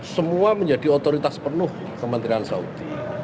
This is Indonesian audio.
semua menjadi otoritas penuh kementerian saudi